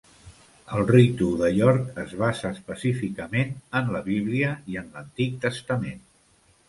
El Ritu de York es basa específicament en la Bíblia i en l'Antic Testament.